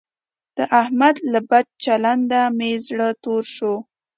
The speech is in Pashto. د احمد له بد چلنده مې زړه تور شو.